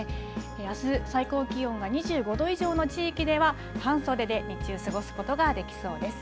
あす最高気温が２５度以上の地域では、半袖で日中、過ごすことができそうです。